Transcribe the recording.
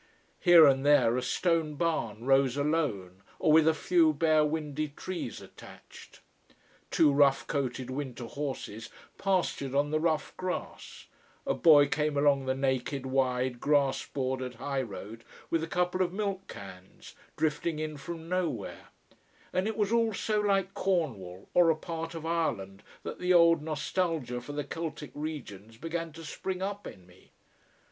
Here and there a stone barn rose alone, or with a few bare, windy trees attached. Two rough coated winter horses pastured on the rough grass, a boy came along the naked, wide, grass bordered high road with a couple of milk cans, drifting in from nowhere: and it was all so like Cornwall, or a part of Ireland, that the old nostalgia for the Celtic regions began to spring up in me.